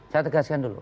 saya tegaskan dulu